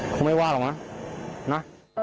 คงไม่ว่าหรอกนะ